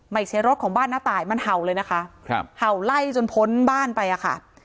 ไม่ใช่รถของบ้านน้าตายมันเห่าเลยนะคะครับเห่าไล่จนพ้นบ้านไปอะค่ะ